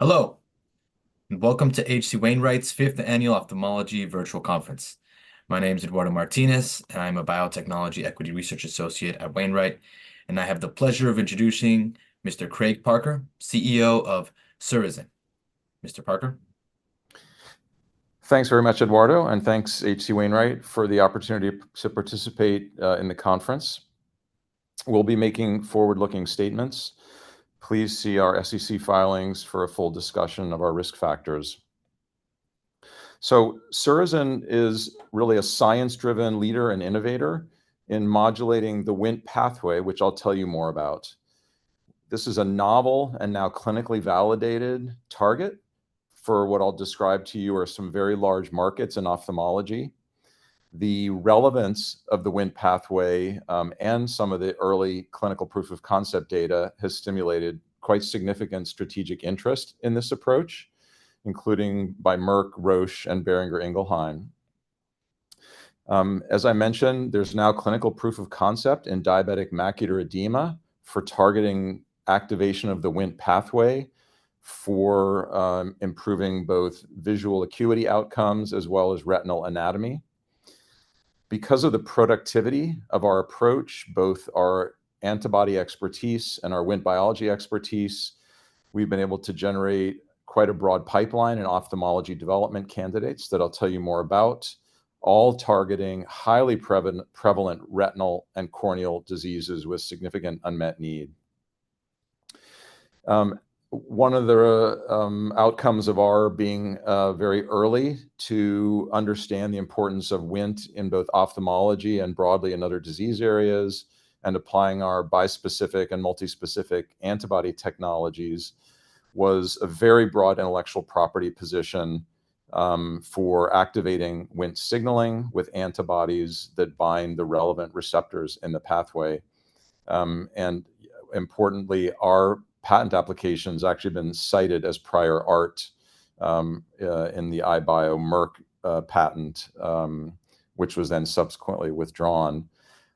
Hello, and welcome to H.C. Wainwright's Fifth Annual Ophthalmology Virtual Conference. My name is Eduardo Martinez, and I'm a Biotechnology Equity Research Associate at Wainwright. I have the pleasure of introducing Mr. Craig Parker, CEO of Surrozen. Mr. Parker? Thanks very much, Eduardo, and thanks H.C. Wainwright for the opportunity to participate in the conference. We'll be making forward-looking statements. Please see our SEC filings for a full discussion of our risk factors. Surrozen is really a science-driven leader and innovator in modulating the Wnt pathway, which I'll tell you more about. This is a novel and now clinically validated target for what I'll describe to you are some very large markets in ophthalmology. The relevance of the Wnt pathway and some of the early clinical proof of concept data has stimulated quite significant strategic interest in this approach, including by Merck, Roche, and Boehringer Ingelheim. As I mentioned, there's now clinical proof of concept in diabetic macular edema for targeting activation of the Wnt pathway for improving both visual acuity outcomes as well as retinal anatomy. Because of the productivity of our approach, both our antibody expertise and our Wnt biology expertise, we've been able to generate quite a broad pipeline in ophthalmology development candidates that I'll tell you more about, all targeting highly prevalent retinal and corneal diseases with significant unmet need. One of the outcomes of our being very early to understand the importance of Wnt in both ophthalmology and broadly in other disease areas and applying our bispecific and multi-specific antibody technologies was a very broad intellectual property position for activating Wnt signaling with antibodies that bind the relevant receptors in the pathway. Importantly, our patent application has actually been cited as prior art in the EyeBio-Merck patent, which was then subsequently withdrawn.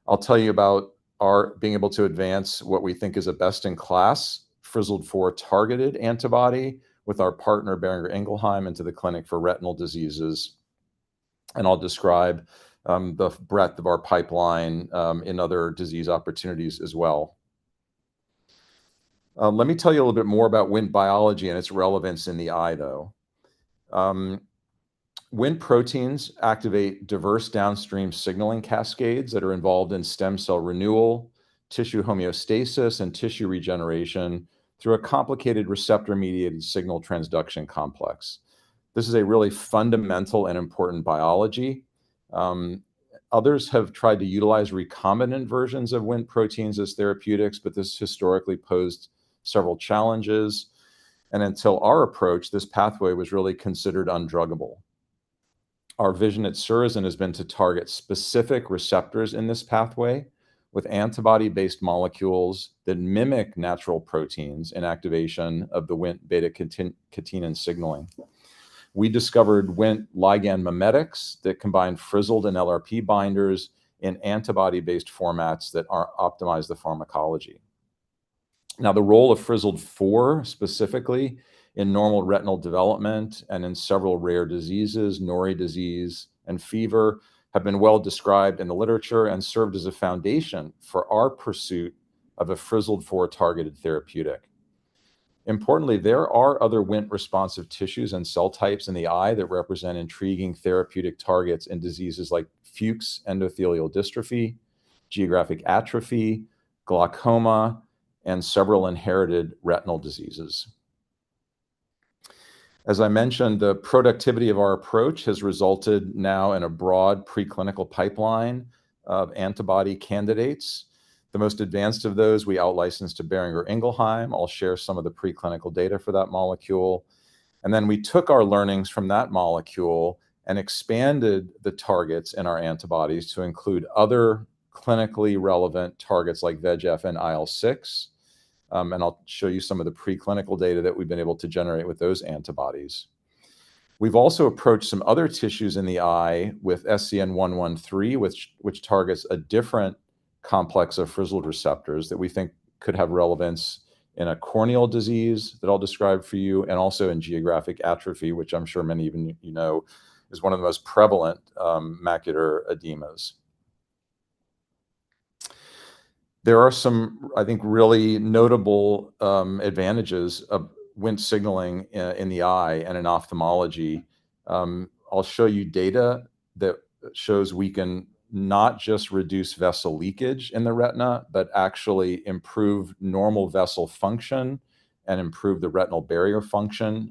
I'll tell you about our being able to advance what we think is a best-in-class FZD4 targeted antibody with our partner, Boehringer Ingelheim into the clinic for retinal diseases. I'll describe the breadth of our pipeline in other disease opportunities as well. Let me tell you a little bit more about Wnt biology and its relevance in the eye, though. Wnt proteins activate diverse downstream signaling cascades that are involved in stem cell renewal, tissue homeostasis, and tissue regeneration through a complicated receptor-mediated signal transduction complex. This is a really fundamental and important biology. Others have tried to utilize recombinant versions of Wnt proteins as therapeutics, but this historically posed several challenges. Until our approach, this pathway was really considered undruggable. Our vision at Surrozen has been to target specific receptors in this pathway with antibody-based molecules that mimic natural proteins in activation of the Wnt/beta-catenin signaling. We discovered Wnt ligand mimetics that combine FZD and LRP binders in antibody-based formats that optimize the pharmacology. The role of FZD4 specifically in normal retinal development and in several rare diseases, Norrie disease, and FEVR have been well described in the literature and served as a foundation for our pursuit of a FZD4 targeted therapeutic. Importantly, there are other Wnt responsive tissues and cell types in the eye that represent intriguing therapeutic targets in diseases like endothelial cell dystrophy, geographic atrophy, glaucoma, and several inherited retinal diseases. As I mentioned, the productivity of our approach has resulted now in a broad preclinical pipeline of antibody candidates. The most advanced of those we out-licensed to Boehringer Ingelheim. I'll share some of the preclinical data for that molecule. We took our learnings from that molecule and expanded the targets in our antibodies to include other clinically relevant targets like VEGF and IL-6. I'll show you some of the preclinical data that we've been able to generate with those antibodies. We've also approached some other tissues in the eye with SCN-113, which targets a different complex of FZD receptors that we think could have relevance in a corneal disease that I'll describe for you, and also in geographic atrophy, which I'm sure many of you know is one of the most prevalent macular degenerations. There are some, I think, really notable advantages of Wnt signaling in the eye and in ophthalmology. I'll show you data that shows we can not just reduce vessel leakage in the retina, but actually improve normal vessel function and improve the retinal barrier function.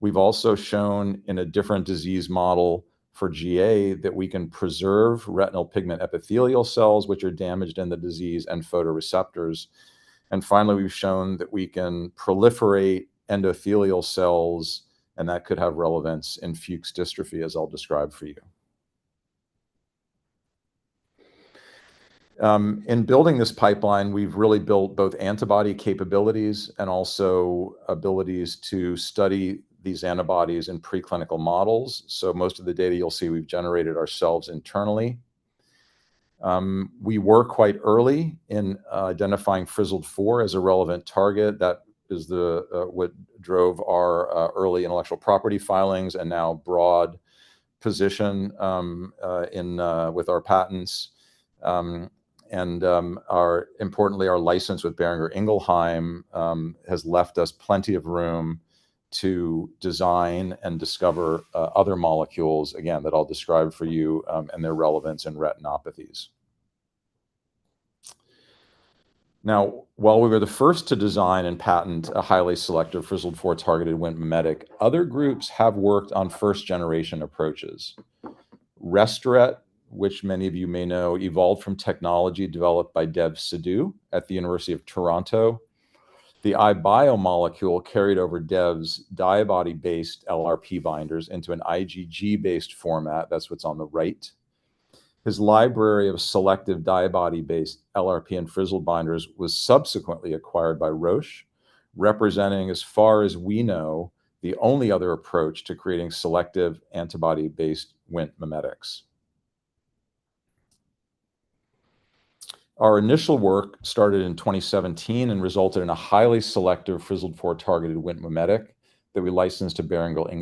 We've also shown in a different disease model for GA that we can preserve retinal pigment epithelial cells, which are damaged in the disease, and photoreceptors. Finally, we've shown that we can proliferate endothelial cells, and that could have relevance in Fuchs dystrophy, as I'll describe for you. In building this pipeline, we've really built both antibody capabilities and also abilities to study these antibodies in preclinical models. Most of the data you'll see we've generated ourselves internally. We were quite early in identifying FZD4 as a relevant target. That is what drove our early intellectual property filings and now broad position with our patents. Importantly, our license with Boehringer Ingelheim has left us plenty of room to design and discover other molecules, again, that I'll describe for you and their relevance in retinopathies. While we were the first to design and patent a highly selective FZD4-targeted Wnt mimetic, other groups have worked on first-generation approaches. Restoret, which many of you may know, evolved from technology developed by Dev Sidhu at the University of Toronto. The EyeBio molecule carried over Dev's diabody-based LRP binders into an IgG-based format. That's what's on the right. His library of selective diabody-based LRP and FZD binders was subsequently acquired by Roche, representing, as far as we know, the only other approach to creating selective antibody-based Wnt mimetics. Our initial work started in 2017 and resulted in a highly selective FZD4-targeted Wnt mimetic that we licensed to Boehringer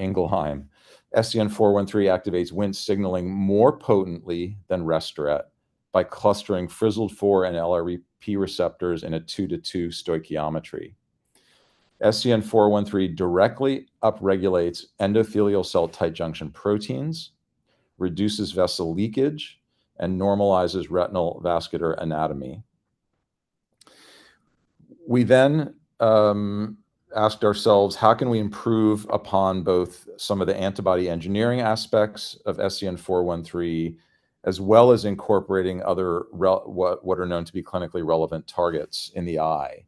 Ingelheim. SCN-413 activates Wnt signaling more potently than Restoret by clustering FZD4 and LRP receptors in a 2:2 stoichiometry. SCN-413 directly upregulates endothelial cell tight junction proteins, reduces vessel leakage, and normalizes retinal vascular anatomy. We then asked ourselves, how can we improve upon both some of the antibody engineering aspects of SCN-413, as well as incorporating other what are known to be clinically relevant targets in the eye?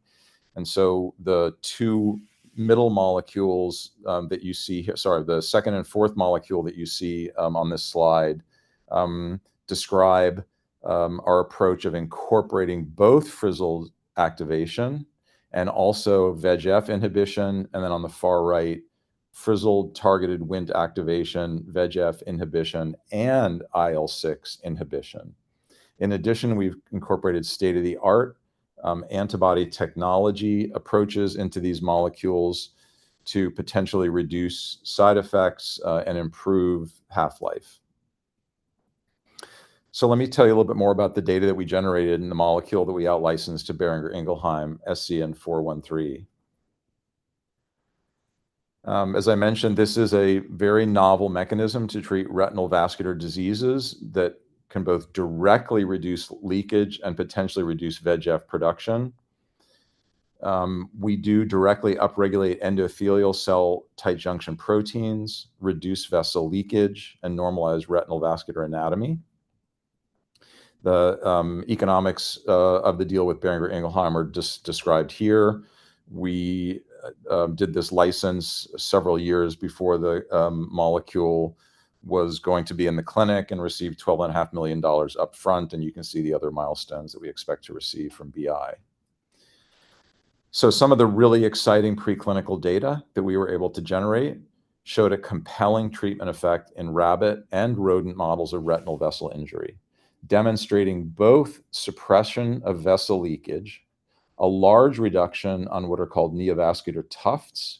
The two middle molecules that you see here, sorry, the second and fourth molecule that you see on this slide, describe our approach of incorporating both FZD activation and also VEGF inhibition. On the far right, FZD-targeted Wnt activation, VEGF inhibition, and IL-6 inhibition. In addition, we've incorporated state-of-the-art antibody technology approaches into these molecules to potentially reduce side effects and improve half-life. Let me tell you a little bit more about the data that we generated in the molecule that we out-licensed to Boehringer Ingelheim SCN-413. As I mentioned, this is a very novel mechanism to treat retinal vascular diseases that can both directly reduce leakage and potentially reduce VEGF production. We do directly upregulate endothelial cell tight junction proteins, reduce vessel leakage, and normalize retinal vascular anatomy. The economics of the deal with Boehringer Ingelheim are just described here. We did this license several years before the molecule was going to be in the clinic and received $12.5 million upfront. You can see the other milestones that we expect to receive from BI. Some of the really exciting preclinical data that we were able to generate showed a compelling treatment effect in rabbit and rodent models of retinal vessel injury, demonstrating both suppression of vessel leakage, a large reduction on what are called neovascular tufts,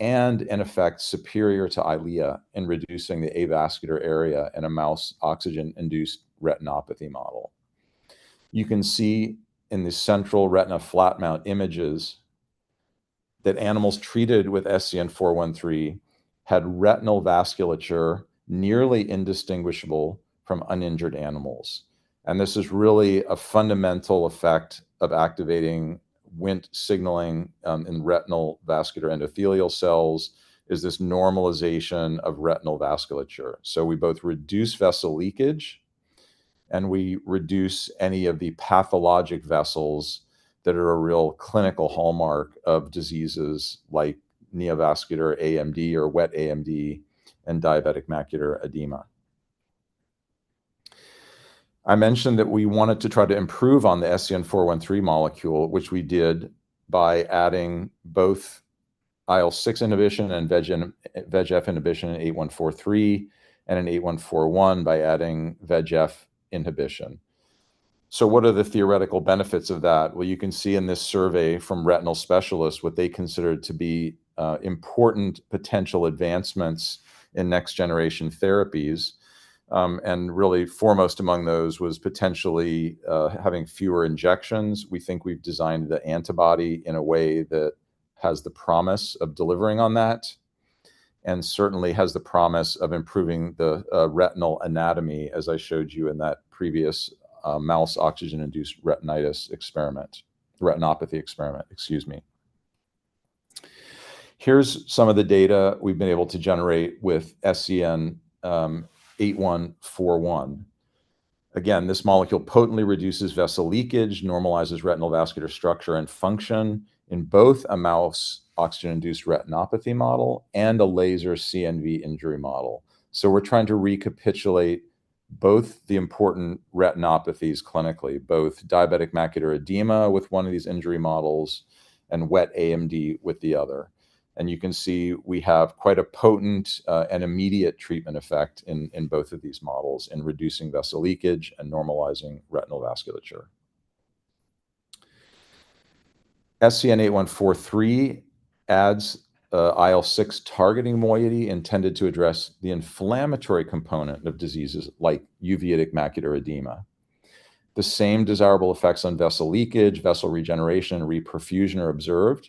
and an effect superior to Eylea in reducing the avascular area in a mouse oxygen-induced retinopathy model. You can see in the central retina flat mount images that animals treated with SCN-413 had retinal vasculature nearly indistinguishable from uninjured animals. This is really a fundamental effect of activating Wnt signaling in retinal vascular endothelial cells, this normalization of retinal vasculature. We both reduce vessel leakage, and we reduce any of the pathologic vessels that are a real clinical hallmark of diseases like neovascular AMD or wet AMD and diabetic macular edema. I mentioned that we wanted to try to improve on the SCN-413 molecule, which we did by adding both IL-6 inhibition and VEGF inhibition in SCN-8143 and in SCN-8141 by adding VEGF inhibition. What are the theoretical benefits of that? You can see in this survey from retinal specialists what they considered to be important potential advancements in next-generation therapies. Really foremost among those was potentially having fewer injections. We think we've designed the antibody in a way that has the promise of delivering on that and certainly has the promise of improving the retinal anatomy, as I showed you in that previous mouse oxygen-induced retinopathy experiment. Here's some of the data we've been able to generate with SCN-8141. Again, this molecule potently reduces vessel leakage, normalizes retinal vascular structure and function in both a mouse oxygen-induced retinopathy model and a laser CNV injury model. We're trying to recapitulate both the important retinopathies clinically, both diabetic macular edema with one of these injury models and wet AMD with the other. You can see we have quite a potent and immediate treatment effect in both of these models in reducing vessel leakage and normalizing retinal vasculature. SCN-8143 adds IL-6 targeting moiety intended to address the inflammatory component of diseases like uveitic macular edema. The same desirable effects on vessel leakage, vessel regeneration, and reperfusion are observed.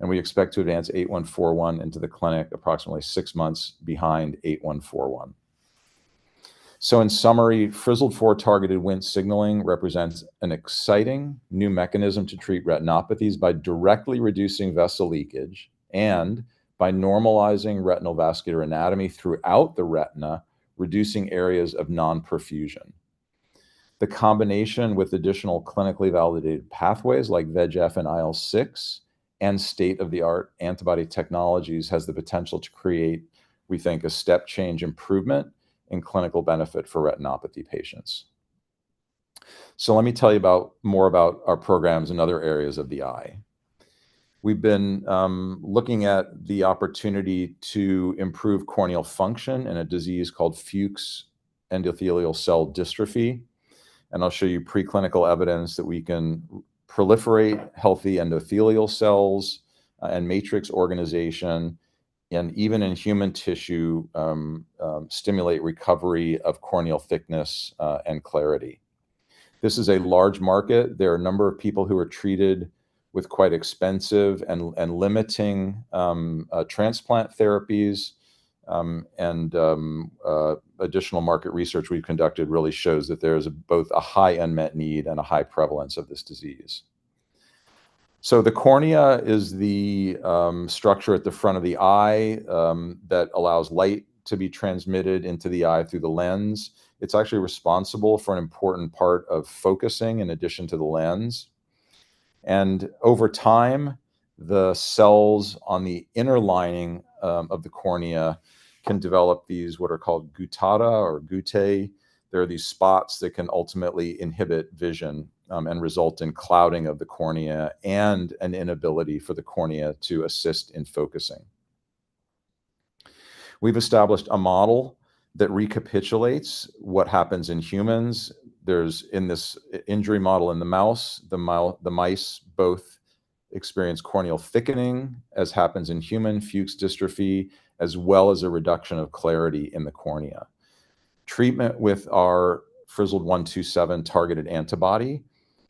We expect to advance SCN-8141 into the clinic approximately six months behind SCN-8141. In summary, FZD4 targeted Wnt signaling represents an exciting new mechanism to treat retinopathies by directly reducing vessel leakage and by normalizing retinal vascular anatomy throughout the retina, reducing areas of non-perfusion. The combination with additional clinically validated pathways like VEGF and IL-6 and state-of-the-art antibody technologies has the potential to create, we think, a step change improvement in clinical benefit for retinopathy patients. Let me tell you more about our programs in other areas of the eye. We've been looking at the opportunity to improve corneal function in a disease called Fuchs endothelial cell dystrophy. I'll show you preclinical evidence that we can proliferate healthy endothelial cells and matrix organization and even in human tissue stimulate recovery of corneal thickness and clarity. This is a large market. There are a number of people who are treated with quite expensive and limiting transplant therapies. Additional market research we've conducted really shows that there is both a high unmet need and a high prevalence of this disease. The cornea is the structure at the front of the eye that allows light to be transmitted into the eye through the lens. It's actually responsible for an important part of focusing in addition to the lens. Over time, the cells on the inner lining of the cornea can develop these what are called guttata or guttae. These are spots that can ultimately inhibit vision and result in clouding of the cornea and an inability for the cornea to assist in focusing. We've established a model that recapitulates what happens in humans. In this injury model in the mouse, the mice both experience corneal thickening, as happens in human Fuchs dystrophy, as well as a reduction of clarity in the cornea. Treatment with our FZD4 targeted antibody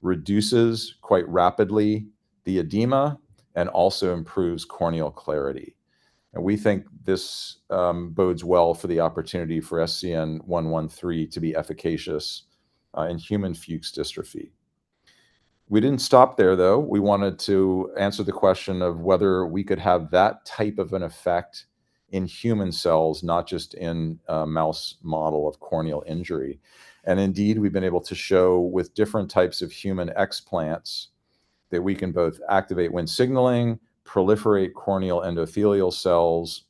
reduces quite rapidly the edema and also improves corneal clarity. We think this bodes well for the opportunity for SCN-113 to be efficacious in human Fuchs dystrophy. We didn't stop there, though. We wanted to answer the question of whether we could have that type of an effect in human cells, not just in a mouse model of corneal injury. Indeed, we've been able to show with different types of human explants that we can both activate Wnt signaling, proliferate corneal endothelial cells,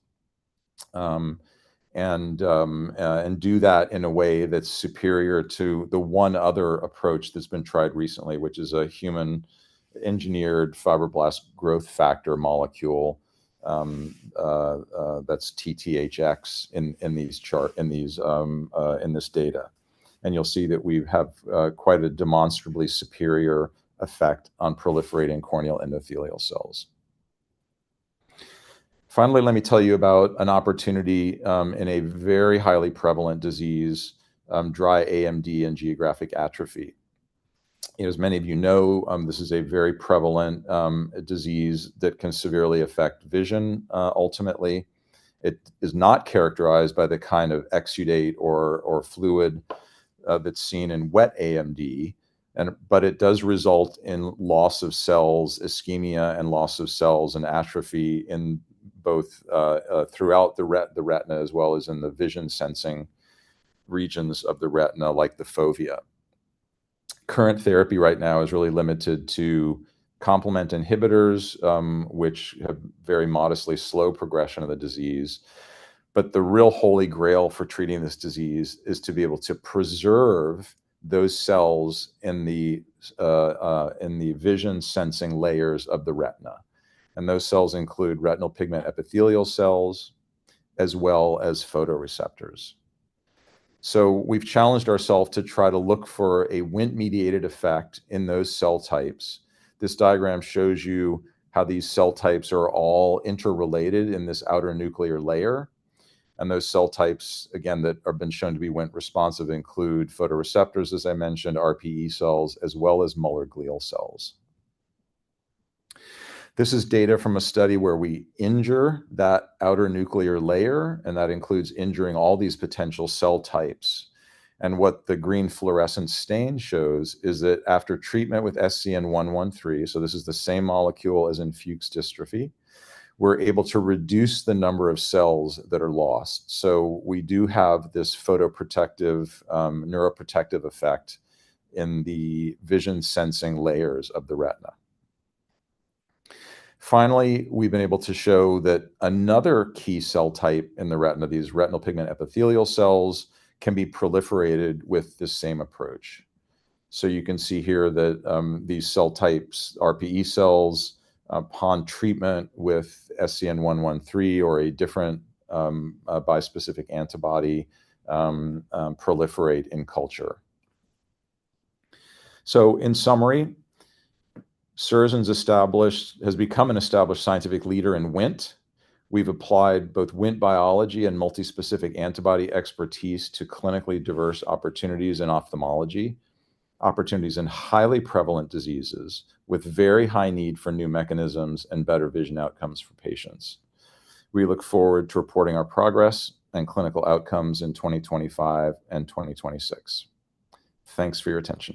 and do that in a way that's superior to the one other approach that's been tried recently, which is a human-engineered fibroblast growth factor molecule, that's TTHX in this data. You'll see that we have quite a demonstrably superior effect on proliferating corneal endothelial cells. Finally, let me tell you about an opportunity in a very highly prevalent disease, dry AMD and geographic atrophy. As many of you know, this is a very prevalent disease that can severely affect vision ultimately. It is not characterized by the kind of exudate or fluid that's seen in wet AMD, but it does result in loss of cells, ischemia, and loss of cells and atrophy throughout the retina as well as in the vision sensing regions of the retina like the fovea. Current therapy right now is really limited to complement inhibitors, which have very modestly slowed progression of the disease. The real holy grail for treating this disease is to be able to preserve those cells in the vision sensing layers of the retina. Those cells include retinal pigment epithelial cells as well as photoreceptors. We've challenged ourselves to try to look for a Wnt-mediated effect in those cell types. This diagram shows you how these cell types are all interrelated in this outer nuclear layer. Those cell types, again, that have been shown to be Wnt-responsive include photoreceptors, as I mentioned, RPE cells, as well as Müller cells. This is data from a study where we injure that outer nuclear layer, and that includes injuring all these potential cell types. What the green fluorescent stain shows is that after treatment with SCN-113, so this is the same molecule as in Fuchs dystrophy, we're able to reduce the number of cells that are lost. We do have this photoprotective, neuroprotective effect in the vision sensing layers of the retina. Finally, we've been able to show that another key cell type in the retina, these retinal pigment epithelial cells, can be proliferated with this same approach. You can see here that these cell types, RPE cells, upon treatment with SCN-113 or a different bispecific antibody, proliferate in culture. In summary, Surrozen has become an established scientific leader in Wnt. We've applied both Wnt biology and multi-specific antibody expertise to clinically diverse opportunities in ophthalmology, opportunities in highly prevalent diseases with very high need for new mechanisms and better vision outcomes for patients. We look forward to reporting our progress and clinical outcomes in 2025 and 2026. Thanks for your attention.